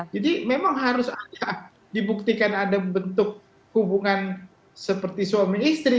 jadi memang harus aja dibuktikan ada bentuk hubungan seperti suami istri